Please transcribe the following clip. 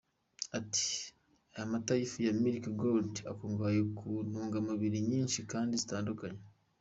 Ati “Aya mata y’ifu ya Milky Gold akungahaye ku ntungamubiri nyinshi kandi zitandukanye.